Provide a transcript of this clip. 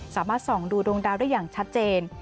สามารถส่องดูดวงดาวได้อย่างชัดเจน